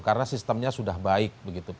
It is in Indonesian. karena sistemnya sudah baik